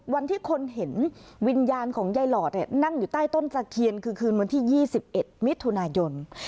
วันที่คนเห็นวิญญาณของยายหลอดนั่งอยู่ใต้ต้นตะเคียนคือคืนวันที่๒๑มิถุนายน